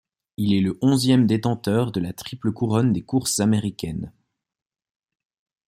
Il est le onzième détenteur de la Triple couronne des courses américaines.